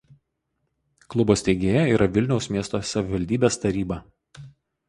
Klubo steigėja yra Vilniaus miesto savivaldybės taryba.